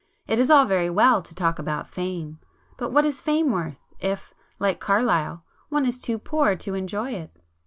It is all very well to talk about fame, but what is fame worth, if, like Carlyle, one is too poor to enjoy it!